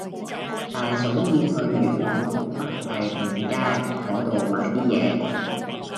大嫂要去元朗河北第五街嗰度買啲嘢